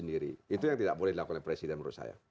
itu yang tidak boleh dilakukan oleh presiden menurut saya